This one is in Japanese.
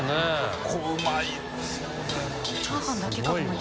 舛うまい！